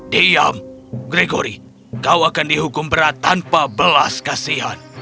diam gregory kau akan dihukum berat tanpa belas kasihan